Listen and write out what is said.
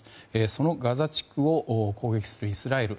そのガザ地区を攻撃するイスラエル。